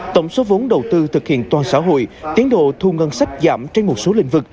tổng số vốn đầu tư thực hiện toàn xã hội tiến độ thu ngân sách giảm trên một số lĩnh vực